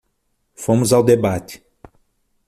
Fomos ao debate.